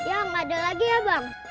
ya nggak ada lagi ya bang